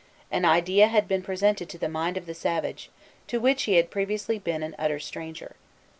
An idea had been presented to the mind of the savage, to which he had previously been an utter stranger.